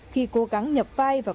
khi cố gắng nhập vai